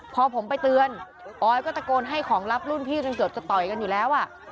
พอผมไปเตือนออยก็ตะโกนให้ของรับรุ่นพี่จนเกือบจะต่อยกันอยู่แล้ว